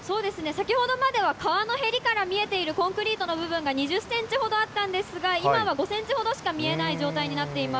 先ほどまでは川のへりから見えているコンクリートの部分が２０センチほどあったんですが、今は５センチほどしか見えない状態にな